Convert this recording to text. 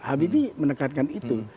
habibie menekankan itu